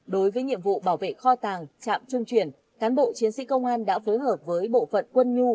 đối với nhiệm vụ bảo vệ kho tàng trạm trung chuyển cán bộ chiến sĩ công an đã phối hợp với bộ phận quân nhu